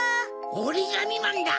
おりがみまんだ！